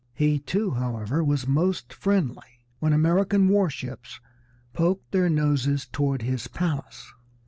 He too, however, was most friendly when American war ships poked their noses toward his palace.